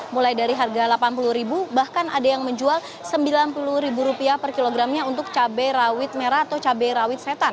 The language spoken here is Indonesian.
mulai dari harga rp delapan puluh bahkan ada yang menjual rp sembilan puluh per kilogramnya untuk cabai rawit merah atau cabai rawit setan